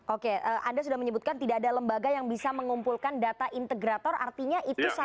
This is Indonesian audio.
oke anda sudah menyebutkan tidak ada lembaga yang bisa mengumpulkan data integrator artinya itu salah satu